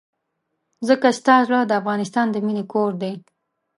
ځکه ستا زړه د افغانستان د مينې کور دی.